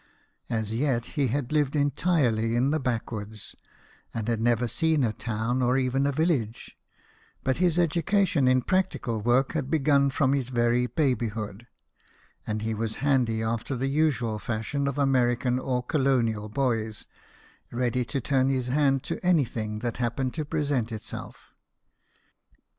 As yet he had lived entirely in the backwoods, and had never seen a town or even a village ; but his education in practical work had begun from his very babyhood, and he was handy after the usual fashion of American or colonial boys ready to turn his hand to anything that happened to present itself.